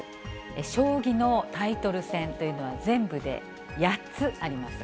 将棋のタイトル戦というのは、全部で８つあります。